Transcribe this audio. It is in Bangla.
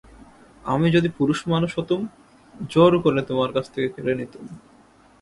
আমি যদি পুরুষমানুষ হতুম জোর করে তোমার কাছ থেকে কেড়ে নিতুম।